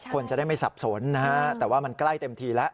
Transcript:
คนจะได้ไม่สับสนนะฮะแต่ว่ามันใกล้เต็มทีแล้ว